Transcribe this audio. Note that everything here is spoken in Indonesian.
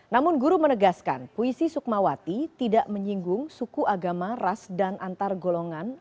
namun guru menegaskan puisi sukmawati tidak menyinggung suku agama ras dan antar golongan